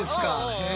へえ。